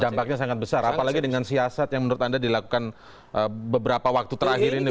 dampaknya sangat besar apalagi dengan siasat yang menurut anda dilakukan beberapa waktu terakhir ini